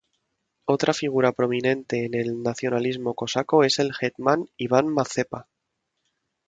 Otra figura prominente en el nacionalismo cosaco es el hetman Iván Mazepa.